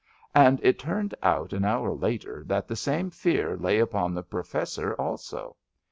And it turned out an hour later that the same fear lay upon the Professor also.